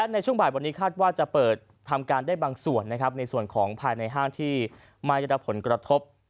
ในส่วนของภายในห้างที่ไม่ได้รับผลกระทบ